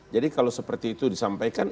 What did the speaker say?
jadi kalau seperti itu disampaikan